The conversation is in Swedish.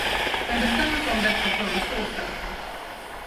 En bestämmelse om detta föreslås därför.